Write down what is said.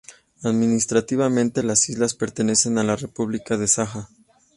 Administrativamente, las islas pertenecen a la república de Saja.